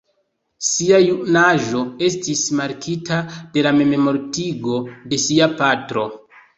Sia junaĝo estis markita de la memmortigo de sia patro.